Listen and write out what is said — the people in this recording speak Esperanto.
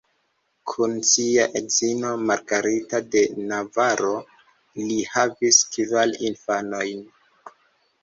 Kun sia edzino Margarita de Navaro li havis kvar infanojn.